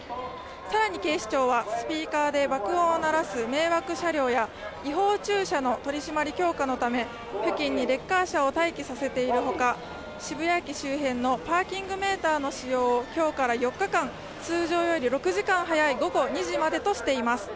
更に警視庁は、スピーカーで爆音を鳴らす迷惑車両や違法駐車の取締り強化のため、付近にレッカー車を待機させているほか渋谷駅周辺のパーキングメーターの使用を今日から４日間、通常より６時間早い午後２時までとしています。